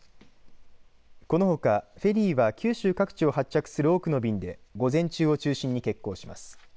このほかフェリーは九州各地を発着する多くの便で午前中を中心に欠航します。